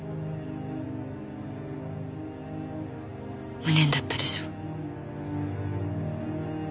無念だったでしょう。